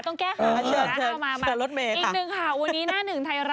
โรคแหวงเหรอ